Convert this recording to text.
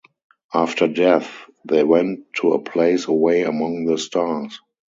After death, they went to a place away among the stars.